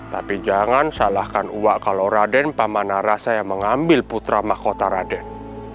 tapi jangan salahkan uak kalau raden pamanah rasa yang mengambil putra mahkota raden